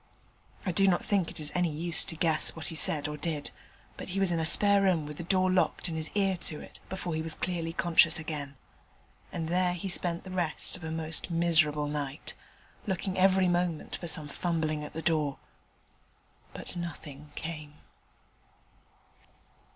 I do not think it is any use to guess what he said or did; but he was in a spare room with the door locked and his ear to it before he was clearly conscious again. And there he spent the rest of a most miserable night, looking every moment for some fumbling at the door: but nothing came.